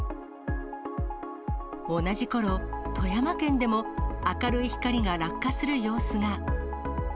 同じころ、富山県でも明るい光が落下する様子が。